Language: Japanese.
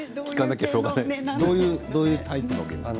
どういうタイプのゲームですか？